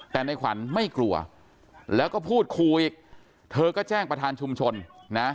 แต่ในขวัญไม่กลัวแล้วก็พูดคูอีกเธอก็แจ้งประธานชุมชนนะ